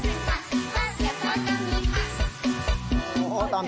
มันยังแค่ร่วมสัมภัณฑ์เพราะเกียรติเราก็มีภัณฑ์